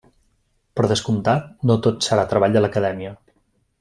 Per descomptat, no tot serà treball a l'acadèmia.